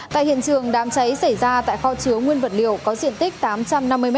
tại hiện trường đám cháy xảy ra tại kho chứa nguyên vật liệu có diện tích tám trăm năm mươi m hai